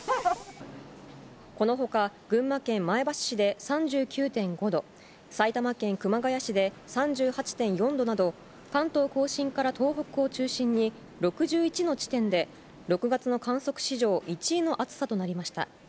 このほか、群馬県前橋市で３９．５度、埼玉県熊谷市で３８．４度など、関東甲信から東北を中心に、６１の地点で６月の観測史上１位の暑さとなりました。